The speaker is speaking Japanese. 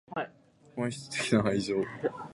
本質的な愛情